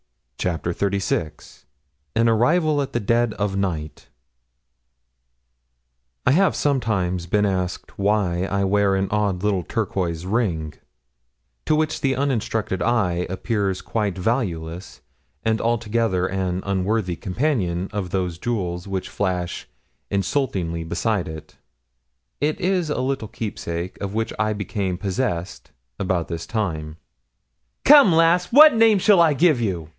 CHAPTER XXXVI AN ARRIVAL AT DEAD OF NIGHT I have sometimes been asked why I wear an odd little turquois ring which to the uninstructed eye appears quite valueless and altogether an unworthy companion of those jewels which flash insultingly beside it. It is a little keepsake, of which I became possessed about this time. 'Come, lass, what name shall I give you?'